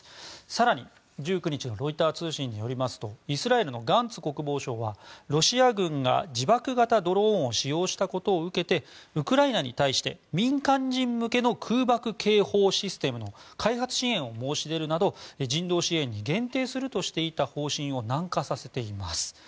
更に１９日のロイター通信によりますとイスラエルのガンツ国防相はロシア軍が自爆型ドローンを使用したことを受けてウクライナに対して民間人向けの空爆警報システムの開発支援を申し出るなど人道支援に限定するとしていた方針を軟化させています。